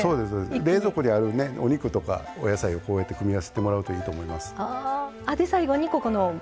冷蔵庫にあるお肉とかお野菜を組み合わせてもらうといいと思います。